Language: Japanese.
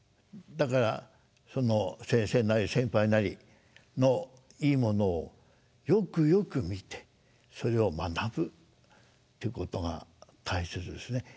だからその先生なり先輩なりのいいものをよくよく見てそれを学ぶっていうことが大切ですね。